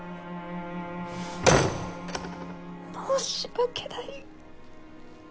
申し訳ない。